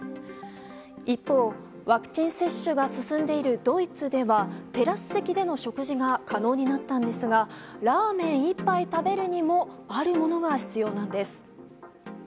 一方、ワクチン接種が進んでいるドイツではテラス席での食事が可能になったんですがラーメン１杯食べるにもあるものが必要なんです。